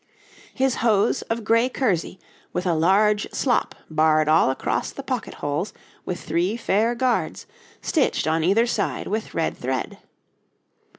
His hose of gray kersey, with a large slop barred all across the pocket holes with three fair guards, stitched on either side with red thread.'